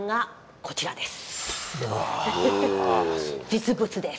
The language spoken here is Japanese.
実物です。